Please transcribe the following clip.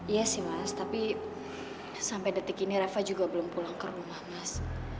iya sih mas tapi sampai detik ini reva juga belum pulang ke rumah mas